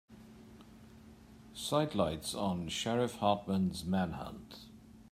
Sidelights on Sheriff Hartman's manhunt.